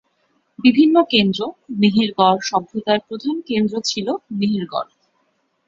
বিভিন্ন কেন্দ্র: মেহেরগড় সভ্যতার প্রধান কেন্দ্র ছিল মেহেরগড়।